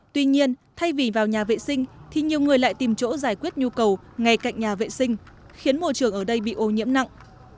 tuy nhiên thay vì vào nhà vệ sinh thì nhiều người lại tìm chỗ giải quyết nhu cầu ngay cạnh nhà vệ sinh khiến môi trường ở đây bị ô nhiễm nặng